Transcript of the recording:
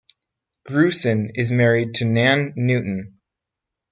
Grusin is married to Nan Newton.